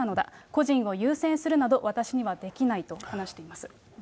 個人を優先するなど私にはできないと話しています。